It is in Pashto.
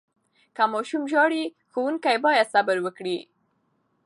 که ماشوم ژاړي، ښوونکي باید صبر وکړي.